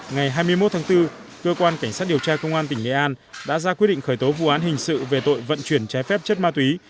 ngày hai mươi một tháng bốn cơ quan cảnh sát điều tra công an tỉnh nghệ an đã ra quyết định khởi tố vụ án hình sự về tội vận chuyển trái phép chất ma túy